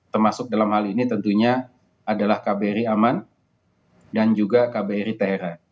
termasuk dalam hal ini tentunya adalah kbri aman dan juga kbri tera